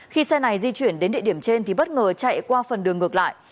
khi xe này di chuyển đến địa điểm trên thì bất ngờ chạy qua phần đường ngược lại